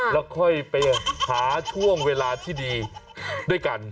แล้วค่อยไปหาช่วงเวลาที่ดีด้วยกัน